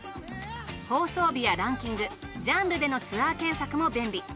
放送日やランキングジャンルでのツアー検索も便利。